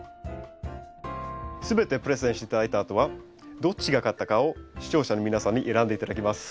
全てプレゼンして頂いたあとはどっちが勝ったかを視聴者の皆さんに選んで頂きます。